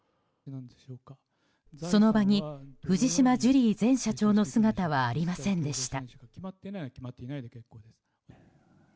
その場に藤島ジュリー前社長の姿はありませんでした。